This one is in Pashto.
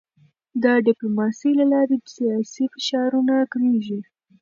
د ډیپلوماسی له لارې سیاسي فشارونه کمېږي.